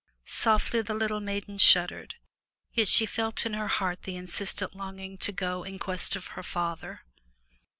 Softly the little maiden shuddered, yet she felt in her heart the insistent longing to go in quest of her father.